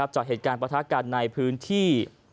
จากเหตุการณ์ประทะกันในพื้นที่